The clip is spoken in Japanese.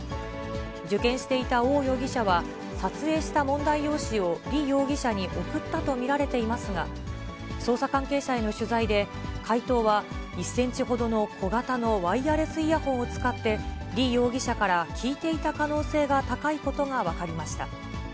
受験していた王容疑者は、撮影した問題用紙を李容疑者に送ったと見られていますが、捜査関係者への取材で、解答は１センチほどの小型のワイヤレスイヤホンを使って、李容疑者から聞いていた可能性が高いことが分かりました。